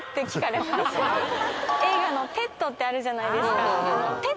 映画の『ｔｅｄ』ってあるじゃないですか。